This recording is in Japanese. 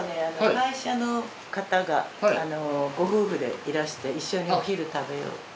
会社の方がご夫婦でいらして一緒にお昼食べようって。